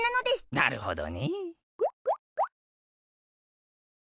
なるほどね。